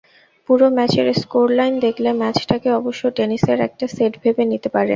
পুরো ম্যাচের স্কোরলাইন দেখলে ম্যাচটাকে অবশ্য টেনিসের একটা সেট ভেবে নিতে পারেন।